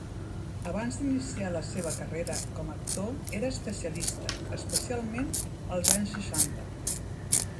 Abans d'iniciar la seva carrera com a actor era especialista, especialment en els anys seixanta.